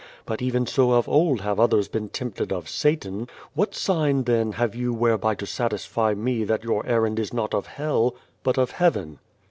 But even so of old have others been tempted of Satan. What sign then have you whereby to satisfy me that your errand is not of Hell, but of Heaven